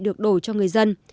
được đổ cho người dân